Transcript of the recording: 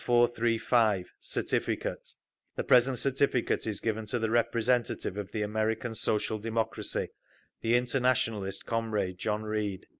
1435 CERTIFICATE The present certificate is given to the representative of the American Social Democracy, the internationalist comrade JOHN REED.